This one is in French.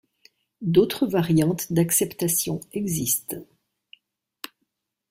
D'autres variantes d'acceptation existent.